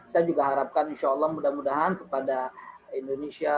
saya juga harapkan insya allah mudah mudahan kepada indonesia